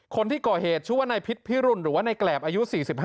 คนที่ก่อเหตุชื่อว่านายพิษพิรุณหรือว่าในแกรบอายุ๔๕